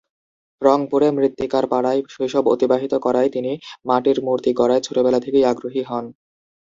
রংপুরে মৃত্তিকার পাড়ায় শৈশব অতিবাহিত করায় তিনি মাটির মূর্তি গড়ায় ছোটবেলা থেকেই আগ্রহী হন।